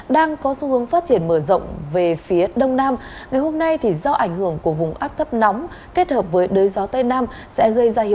là bởi vì khi mình làm thì mình ứng dụng được thế này thế kia để làm ra